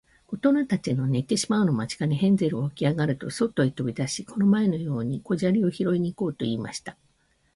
おとなたちの寝てしまうのを待ちかねて、ヘンゼルはおきあがると、そとへとび出して、この前のように小砂利をひろいに行こうとしました。